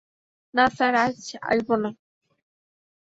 না স্যার, আজ আসব না।